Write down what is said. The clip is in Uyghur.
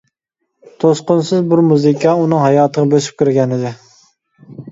توسقۇنسىز بىر مۇزىكا ئۇنىڭ ھاياتىغا بۆسۈپ كىرگەنىدى.